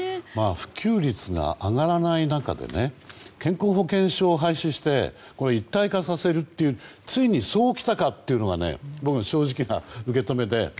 普及率が上がらない中で健康保険証を廃止して一体化させるというついにそうきたかというのが正直な受け止めで。